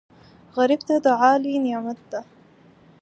غریب ته دعا لوی نعمت وي